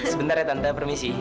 sebentar ya tante permisi